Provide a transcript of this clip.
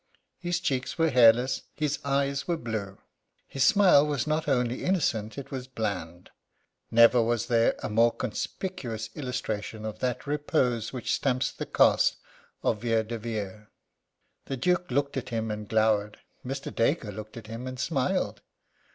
His cheeks were hairless, his eyes were blue. His smile was not only innocent, it was bland. Never was there a more conspicuous illustration of that repose which stamps the caste of Vere de Vere. The Duke looked at him, and glowered. Mr. Dacre looked at him, and smiled.